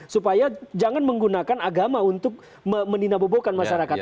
supaya jangan menggunakan agama untuk meninabobokan masyarakat